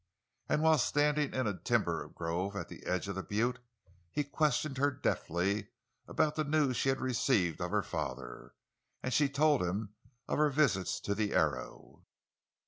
And while standing in a timber grove at the edge of the butte, he questioned her deftly about the news she had received of her father, and she told him of her visits to the Arrow.